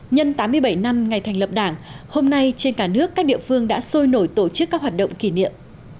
nhân tám mươi bảy năm ngày thành lập đảng hôm nay trên cả nước các địa phương đã sôi nổi tổ chức các hoạt động kỷ niệm